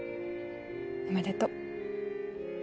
おめでとう。